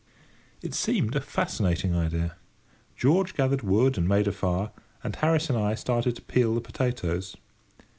It seemed a fascinating idea. George gathered wood and made a fire, and Harris and I started to peel the potatoes.